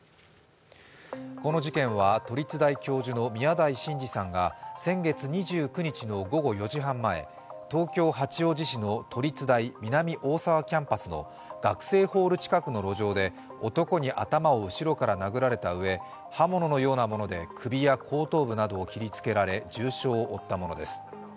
この事件は都立大教授の宮台真司さんが先月２９日の午後４時半前、東京・八王子市の都立大南大沢キャンパスの学生ホール近くの路上で男に頭を後ろから殴られたうえ刃物のようなもので首や後頭部などを切りつけられ、重傷を負ったものです。